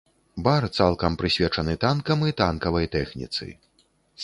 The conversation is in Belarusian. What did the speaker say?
Бар цалкам прысвечаны танкам і танкавай тэхніцы.